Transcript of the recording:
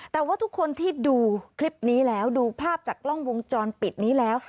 แต่ว่าทุกคนที่ดูคลิปนี้แล้วดูภาพจากกล้องวงจรปิดนี้แล้ว